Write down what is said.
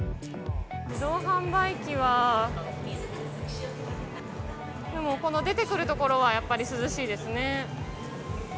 自動販売機は出てくるところはやっぱり涼しいですね。